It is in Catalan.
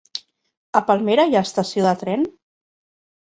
A Palmera hi ha estació de tren?